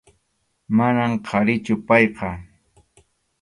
Manam qharichu payqa.